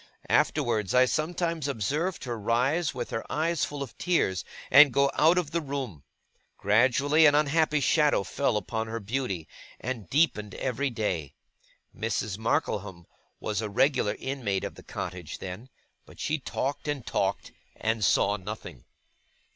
Afterwards, I sometimes observed her rise, with her eyes full of tears, and go out of the room. Gradually, an unhappy shadow fell upon her beauty, and deepened every day. Mrs. Markleham was a regular inmate of the cottage then; but she talked and talked, and saw nothing.